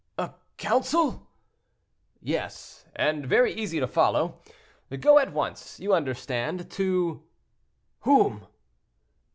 "A counsel?" "Yes; and very easy to follow. Go at once, you understand, to—" "Whom?"